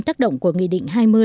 tác động của nghị định hai mươi